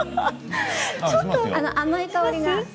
ちょっと甘い香りが。